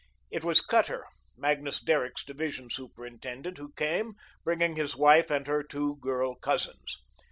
It was Cutter, Magnus Derrick's division superintendent, who came, bringing his wife and her two girl cousins.